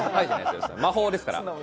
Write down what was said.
魔法ですから。